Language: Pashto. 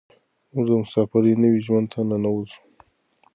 موږ د مساپرۍ نوي ژوند ته ننوځو.